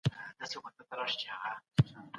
پخوا هم سياستپوهنه مهمه ګڼل کېده.